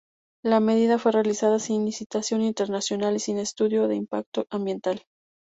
La medida fue realizada sin licitación internacional y sin estudio de impacto ambiental.